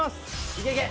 いけいけ！